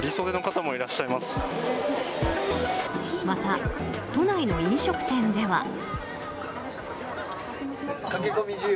また、都内の飲食店では。